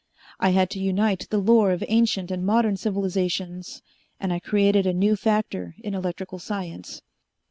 I had to unite the lore of ancient and modern civilizations, and I created a new factor in electrical science.